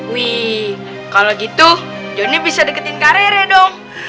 wih kalo gitu jonny bisa deketin ke rere dong